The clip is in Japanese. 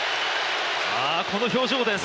この表情です。